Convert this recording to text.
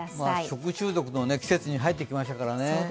食中毒の季節に入ってきましたからね。